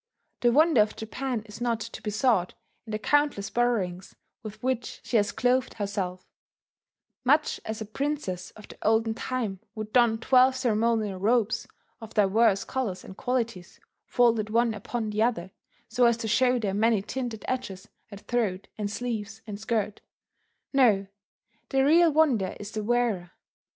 The wonder of Japan is not to be sought in the countless borrowings with which she has clothed herself, much as a princess of the olden time would don twelve ceremonial robes, of divers colours and qualities, folded one upon the other so as to show their many tinted edges at throat and sleeves and skirt; no, the real wonder is the Wearer.